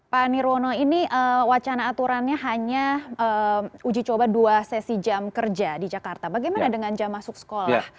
pak nirwono ini wacana aturannya hanya uji coba dua sesi jam kerja di jakarta bagaimana dengan jam masuk sekolah